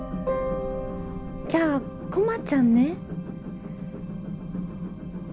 じゃあ駒ちゃんね。